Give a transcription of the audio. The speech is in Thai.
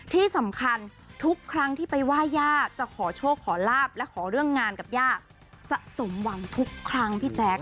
ที่สำคัญทุกครั้งที่ไปไหว้ย่าจะขอโชคขอลาบและขอเรื่องงานกับย่าจะสมหวังทุกครั้งพี่แจ๊ค